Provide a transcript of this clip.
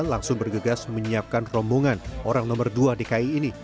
langsung bergegas menyiapkan rombongan orang nomor dua dki ini